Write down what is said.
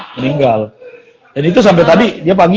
meninggal dan itu sampai tadi dia pagi